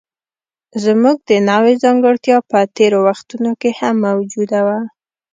زموږ د نوعې ځانګړتیا په تېرو وختونو کې هم موجوده وه.